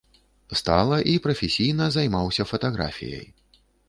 Стала і прафесійна займаўся фатаграфіяй.